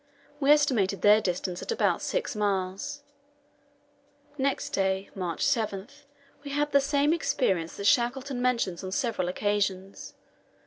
We estimated their distance at about six miles. Next day, March 7, we had the same experience that Shackleton mentions on several occasions.